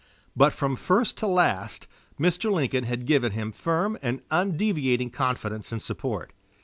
But from first to last Mr. Lincoln had given him firm and undeviating confidence and support.